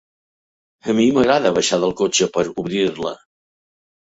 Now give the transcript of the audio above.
A mi m'agrada baixar del cotxe per obrir-la.